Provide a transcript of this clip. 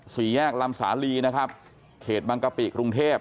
สี่แยกลำสาลีนะครับเขตบังกะปิกรุงเทพ